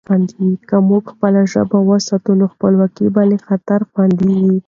که موږ خپله ژبه وساتو، نو خپلواکي به له خطره خوندي وي.